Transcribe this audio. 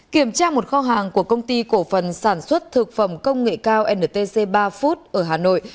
kiểm tra một kho hàng của công ty cổ phần sản xuất thực phẩm công nghệ cao ntc ba food ở hà nội